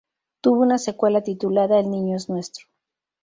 Tuvo una secuela titulada El niño es nuestro.